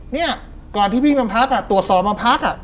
เนี่ยก่อนที่พี่มาพักตรวจสอบมาพัก